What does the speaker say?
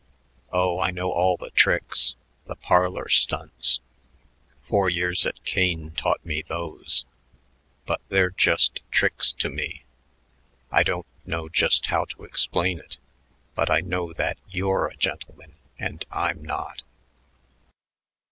Oh, I know all the tricks, the parlor stunts. Four years at Kane taught me those, but they're just tricks to me. I don't know just how to explain it but I know that you're a gentleman and I'm not."